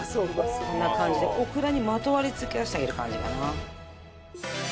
こんな感じでオクラにまとわりつけさせてあげる感じかな。